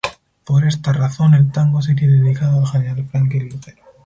Por esta razón el tango sería dedicado al general Franklin Lucero.